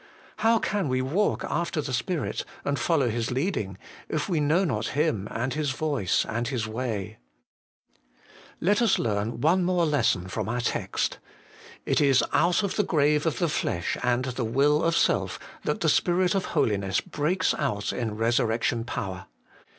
How can we ' walk after the Spirit ' and follow His leading, if we know not Him and His voice and His way ? Let us learn one more lesson from our text. It is out of the grave of the flesh and the will of self that the Spirit of holiness breaks out in resur rection power.